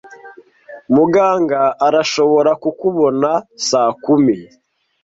Muganga arashobora kukubona saa kumi